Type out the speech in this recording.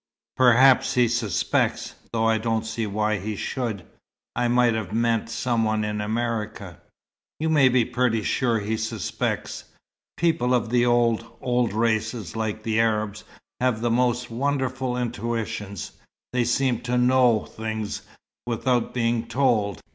Perhaps he suspects, though I don't see why he should. I might have meant some one in America." "You may be pretty sure he suspects. People of the old, old races, like the Arabs, have the most wonderful intuitions. They seem to know things without being told.